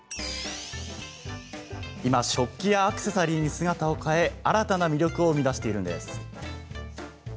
今、食器やアクセサリーに姿を変え、新たな魅力を生み出しているんです。